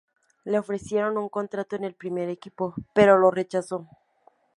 Le ofrecieron un contrato en el primer equipo, pero lo rechazó.